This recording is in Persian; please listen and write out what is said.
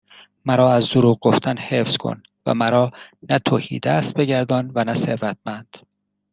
مرا از دروغ گفتن حفظ کن و مرا نه تهیدست بگردان و نه ثروتمند